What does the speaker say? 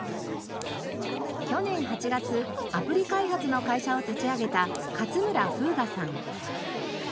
去年８月アプリ開発の会社を立ち上げた勝村風我さん。